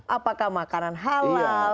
apakah makanan halal